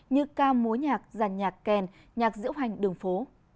như ca múa nhạc giàn nhạc kèn nhạc diễu hành đường phố